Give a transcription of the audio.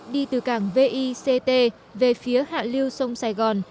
đi từ cảng vict về phía hạ lưu sông sài gòn